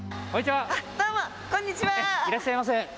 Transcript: いらっしゃいませ。